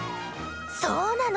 そうなの。